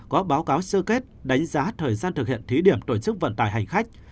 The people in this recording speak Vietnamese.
có báo cáo sơ kết đánh giá thời gian thực hiện thí điểm tổ chức vận tải hành khách